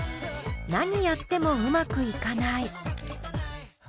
「なにやってもうまくいかない」。